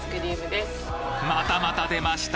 またまた出ました！